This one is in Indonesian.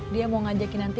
dia mau ngajakin nanti